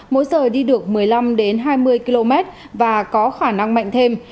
mỗi giờ đi được một mươi năm hai mươi km và có khả năng mạnh thêm